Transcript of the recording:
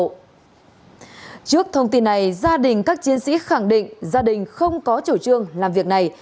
trước thông tin này gia đình các chiến sĩ khẳng định gia đình không có chủ trương làm việc này